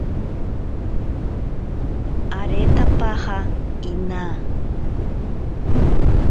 Aretapaja inaa.